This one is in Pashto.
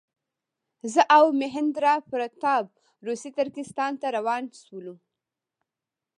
زه او مهیندراپراتاپ روسي ترکستان ته روان شولو.